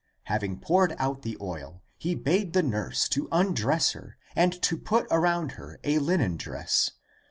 ^ Having poured out the oil, he bade the nurse to undress her and to put around her a linen dress.